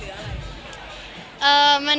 คือหรอค่ะ